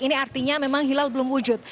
ini artinya memang hilal belum wujud